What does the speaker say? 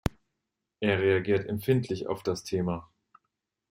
Er reagiert empfindlich auf das Thema.